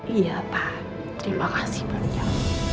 iya pak terima kasih banyak